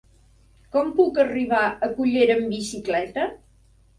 Com puc arribar a Cullera amb bicicleta?